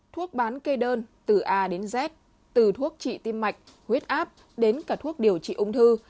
thuốc bán kê đơn từ a đến z từ thuốc trị tim mạch huyết áp đến cả thuốc điều trị ung thư